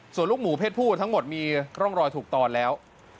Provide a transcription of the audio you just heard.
ส่วนลูกหมูเพศผู้ทั้งหมดมีร่องรอยถูกตอนแล้ว